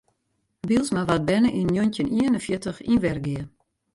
Bylsma waard berne yn njoggentjin ien en fjirtich yn Wergea.